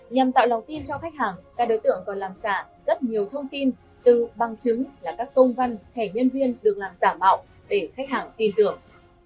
nhằm tạo lòng tin cho khách hàng các đối tượng còn làm giả rất nhiều thông tin từ bằng chứng là các công văn thẻ nhân viên được làm giả mạo để khách hàng tin tưởng